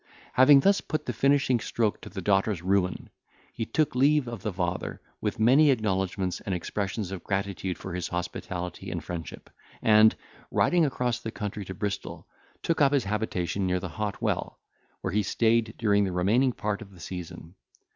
Having thus put the finishing stroke to the daughter's ruin, he took leave of the father, with many acknowledgments and expressions of gratitude for his hospitality and friendship, and, riding across the country to Bristol, took up his habitation near the hot well, where he stayed during the remaining part of the season.